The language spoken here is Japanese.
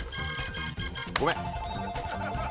ごめん！